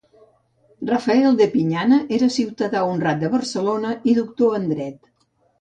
Rafael de Pinyana era ciutadà honrat de Barcelona i doctor en dret.